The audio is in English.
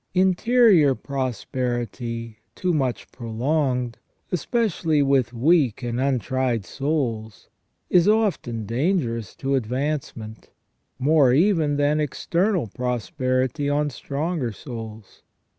Interior prosperity too much prolonged, especially with weak and untried souls, is often dangerous to advancement, more even than external pros perity on stronger souls.